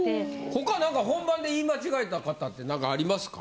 他何か本番で言い間違えた方って何かありますか？